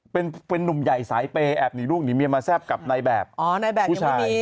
เป็นเป็นนุ่มใหญ่สายเปย์แอบหนีลูกหนีเมียมาแซ่บกับในแบบอ๋อในแบบยังไม่มี